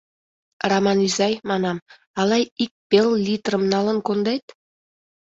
Раман изай, манам, ала ик пел литрым налын кондет?